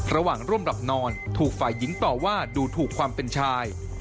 ระหว่างร่วมหลับนอนถูกฝ่ายหญิงต่อว่าดูถูกความเป็นชาย